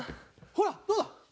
ほらどうだ！